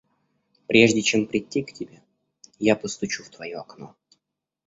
Прежде, чем придти к тебе, я постучу в твоё окно.